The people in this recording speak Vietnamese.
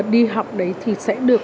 đi học đấy thì sẽ được